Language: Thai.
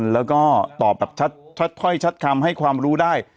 แล้วก็ตอบแบบชัดถ้อยชัดคำให้ความรู้ได้